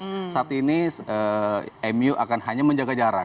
karena saat ini mu akan hanya menjaga jarak